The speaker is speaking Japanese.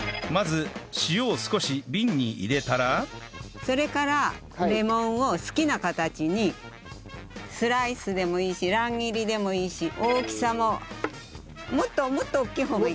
まずそれからレモンを好きな形にスライスでもいいし乱切りでもいいし大きさももっとおっきい方がいいかしら。